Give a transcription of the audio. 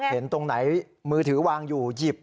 เห็นตรงไหนมือถือวางอยู่หยิบ